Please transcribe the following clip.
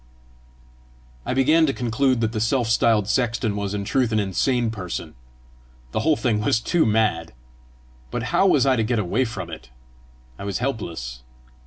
'" I began to conclude that the self styled sexton was in truth an insane parson: the whole thing was too mad! But how was I to get away from it? I was helpless!